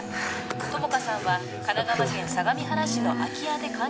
友果さんは神奈川県相模原市の空き家で監禁